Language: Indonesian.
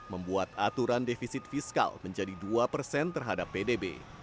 membuat aturan defisit fiskal menjadi dua persen terhadap pdb